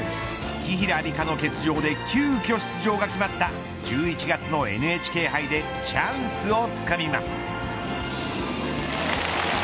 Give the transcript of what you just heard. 紀平梨花の欠場で急きょ出場が決まった１１月のＮＨＫ杯でチャンスをつかみます。